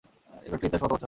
এর ইতিহাস কয়েক শত বছরের।